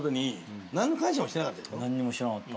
何にもしてなかった。